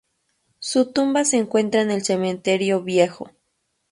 Su tumba se encuentra en el cementerio viejo.